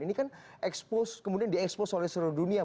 ini kan expose kemudian di expose oleh seluruh dunia